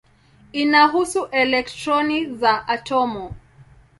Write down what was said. Inahusu elektroni za atomu.